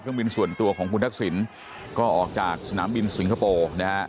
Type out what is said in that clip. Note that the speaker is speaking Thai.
บินส่วนตัวของคุณทักษิณก็ออกจากสนามบินสิงคโปร์นะฮะ